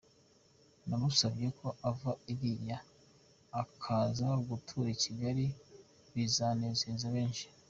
Namusabye ko ava iriya akaza gutura i Kigali, bizanezeza benshi.